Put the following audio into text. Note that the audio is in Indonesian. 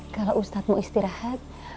kalau ustadz mau istirahat